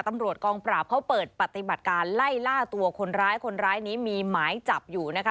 ตำรวจกองปราบเขาเปิดปฏิบัติการไล่ล่าตัวคนร้ายคนร้ายนี้มีหมายจับอยู่นะคะ